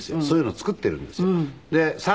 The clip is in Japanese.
そういうのを作ってるんですよ。